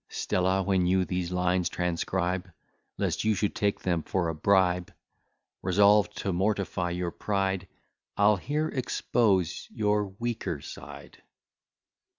Stella, when you these lines transcribe, Lest you should take them for a bribe, Resolved to mortify your pride, I'll here expose your weaker side.